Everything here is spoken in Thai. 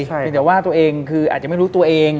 เป็นแต่ว่าตัวเองคืออาจจะไม่รู้ตัวเอง